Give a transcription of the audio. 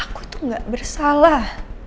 aku itu gak bersalah